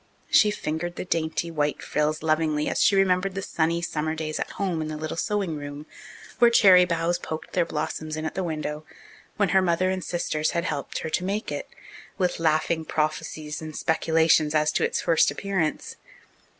She fingered the dainty white frills lovingly as she remembered the sunny summer days at home in the little sewing room, where cherry boughs poked their blossoms in at the window, when her mother and sisters had helped her to make it, with laughing prophesies and speculations as to its first appearance.